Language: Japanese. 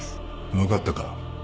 分かったか？